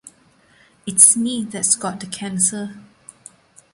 It's me that's got the cancer.